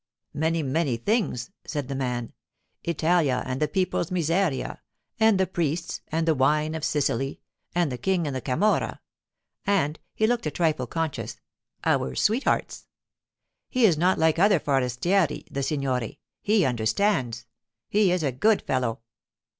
'Many, many things,' said the man. 'Italia, and the people's miseria, and the priests, and the wine of Sicily, and the King and the Camorra, and (he looked a trifle conscious) our sweethearts. He is not like other forestieri, the signore; he understands. He is a good fellow.